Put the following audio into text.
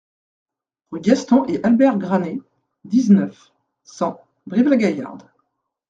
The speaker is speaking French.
Rue Gaston et Albert Granet, dix-neuf, cent Brive-la-Gaillarde